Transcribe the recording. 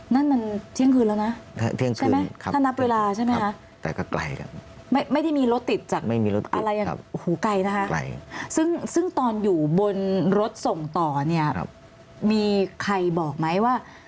นั่นนั้นเที่ยงคืนแล้วนะใช่ไหมถ้านับเวลาใช่ไหมครับไม่ได้มีรถติดจากอะไรหรือหัวไกลนะคะซึ่งตอนอยู่บนรถส่งต่อมีใครบอกไหมว่า